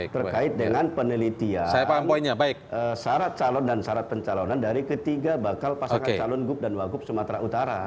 terkait dengan penelitian syarat calon dan syarat pencalonan dari ketiga bakal pasangan calon gub dan wagup sumatera utara